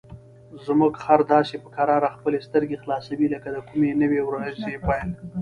زموږ خر داسې په کراره خپلې سترګې خلاصوي لکه د کومې نوې ورځې پیل.